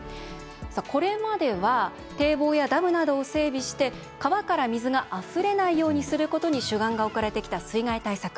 これまでは堤防やダムなどを整備して、川から水があふれないようにすることに主眼が置かれてきた水害対策。